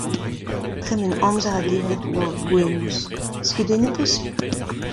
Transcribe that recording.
Tremen amzer a-gevred a oa boemus. Skeudennoù 'c'h eus ?